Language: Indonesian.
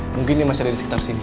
mungkin ini masih ada di sekitar sini